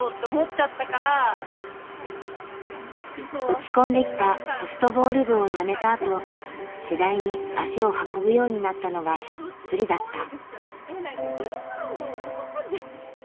打ち込んできたソフトボール部をやめたあと次第に足を運ぶようになったのがプリだった。